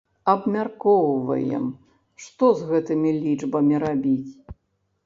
Абмяркоўваем, што з гэтымі лічбамі рабіць?